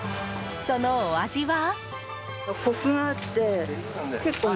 そのお味は。